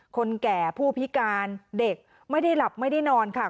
คนแก่ผู้พิการเด็กไม่ได้หลับไม่ได้นอนค่ะ